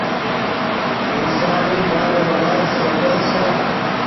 انسان نݵ دارومادار صحتس چھی